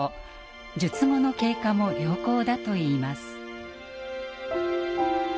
術後の経過も良好だといいます。